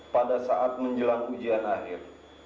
pada saat menjelang ujian akhir